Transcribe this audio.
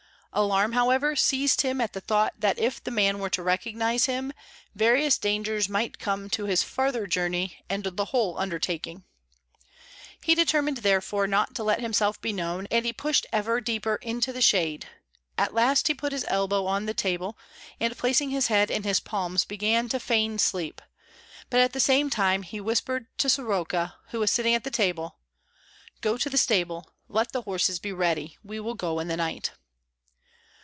Alarm, however, seized him at the thought that if the man were to recognize him various dangers might come to his farther journey and the whole undertaking. He determined, therefore, not to let himself be known, and he pushed ever deeper into the shade; at last he put his elbow on the table, and placing his head in his palms began to feign sleep; but at the same time he whispered to Soroka, who was sitting at the table, "Go to the stable, let the horses be ready. We will go in the night."